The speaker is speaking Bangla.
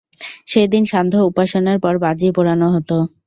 সেই দিন সান্ধ্য উপাসনার পর বাজি পোড়ানো হত।